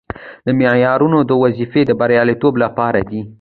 دا معیارونه د وظیفې د بریالیتوب لپاره دي.